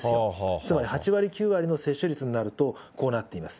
つまり、８わり、９割の接種率になると、こうなっています。